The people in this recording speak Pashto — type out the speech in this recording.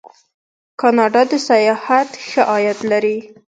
کاناډا د سیاحت ښه عاید لري.